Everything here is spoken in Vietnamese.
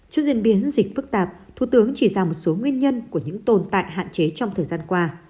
trước diễn biến dịch phức tạp thủ tướng chỉ ra một số nguyên nhân của những tồn tại hạn chế trong thời gian qua